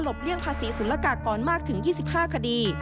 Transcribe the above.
หลบเลี่ยงภาษีสุรกากรมากถึง๒๕คดี